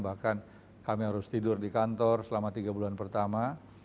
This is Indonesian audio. bahkan kami harus tidur di kantor selama tiga bulan pertama